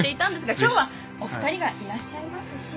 きょうはお二人がいらっしゃいますし。